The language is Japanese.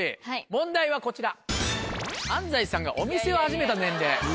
問題はこちら。